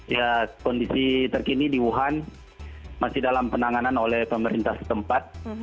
ya kondisi terkini di wuhan masih dalam penanganan oleh pemerintah setempat